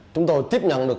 chúng tôi tiếp nhận được